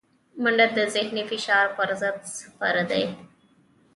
منډه د ذهني فشار پر ضد سپر دی